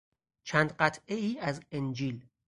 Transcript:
چند قطعهای از انجیل